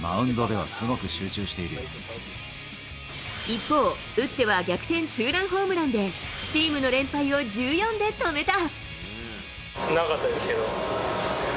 一方、打っては逆転ツーランホームランでチームの連敗を１４で止めた。